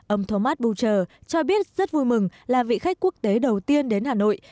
ông thomas boucher cho biết rất vui mừng là vị khách quốc tế đầu tiên đến hà nội